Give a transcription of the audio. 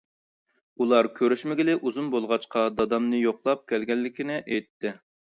ئۇلار كۆرۈشمىگىلى ئۇزۇن بولغاچقا، دادامنى يوقلاپ كەلگەنلىكىنى ئېيتتى.